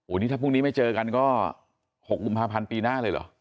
นี่ถ้าพรุ่งนี้ไม่เจอกันก็๖กุมภาพันธ์ปีหน้าเลยเหรอ